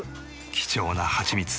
貴重なハチミツ